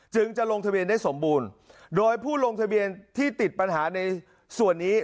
จะลงทะเบียนได้สมบูรณ์โดยผู้ลงทะเบียนที่ติดปัญหาในส่วนนี้